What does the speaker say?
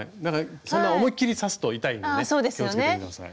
そんな思いっきり刺すと痛いんでね気をつけて下さい。